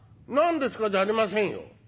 「何ですかじゃありませんよ。